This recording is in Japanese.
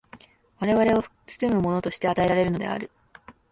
我々を包むものとして与えられるのである。